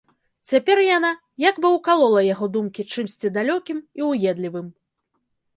Цяпер яна як бы ўкалола яго думкі чымсьці далёкім і ўедлівым.